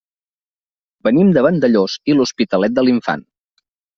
Venim de Vandellòs i l'Hospitalet de l'Infant.